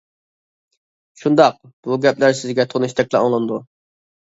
شۇنداق، بۇ گەپلەر سىزگە تونۇشتەكلا ئاڭلىنىدۇ.